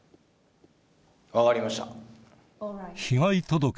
分かりました。